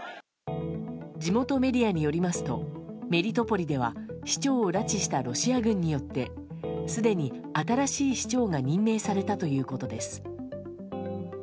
地元メディアによりますとメリトポリでは市長を拉致したロシア軍によってすでに新しい市長が任命されたということです。